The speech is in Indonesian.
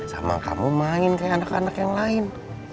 sama kamu main kayak anak anak yang lain